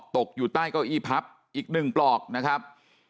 ตกอยู่ใต้เก้าอี้พับอีก๑ปลอกนะครับ